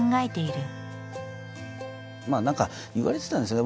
まあ何か言われてたんですよね。